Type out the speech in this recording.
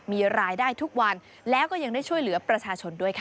มีรายได้ทุกวันแล้วก็ยังได้ช่วยเหลือประชาชนด้วยค่ะ